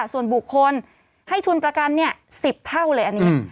ส่วนบุคคลให้ทุนประกัน๑๐เท่าเลยอันนี้